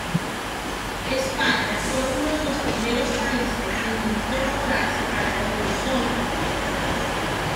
España fue uno de los primeros países en incorporarse a la eurozona.